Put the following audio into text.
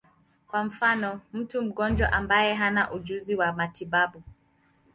Kwa mfano, mtu mgonjwa ambaye hana ujuzi wa matibabu.